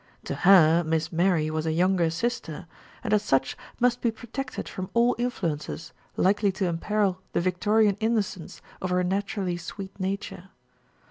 To her, Miss Mary was a younger sister, and as such must be protected from all influences likely to imperil the Victorian innocence of her naturally sweet nature.